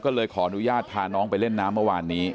ก็เลยขออนุญาตพาน้องไปเล่นน้ำเมื่อวานนี้